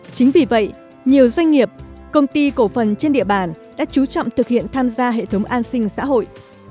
chính vì vậy nhiều doanh nghiệp công ty cổ phần trên địa bàn đã chú trọng thực hiện tham gia hệ thống an sinh xã hội